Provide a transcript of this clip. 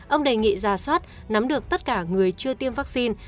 ông đề nghị ra soát nắm được tất cả người chưa tiêm vaccine